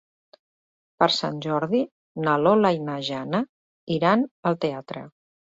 Per Sant Jordi na Lola i na Jana iran al teatre.